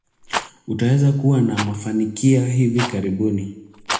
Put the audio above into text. Utaweza kuwa na mafanikia hivi karibuni.